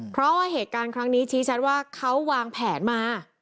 เพราะว่าเหตุการณ์ครั้งนี้ชี้ชัดว่าเขาวางแผนมา